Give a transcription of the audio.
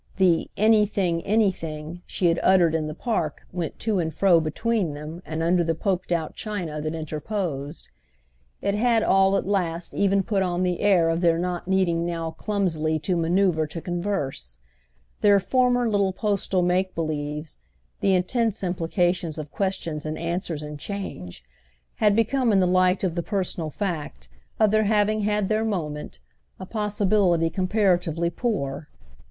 The "anything, anything" she had uttered in the Park went to and fro between them and under the poked out china that interposed. It had all at last even put on the air of their not needing now clumsily to manoeuvre to converse: their former little postal make believes, the intense implications of questions and answers and change, had become in the light of the personal fact, of their having had their moment, a possibility comparatively poor.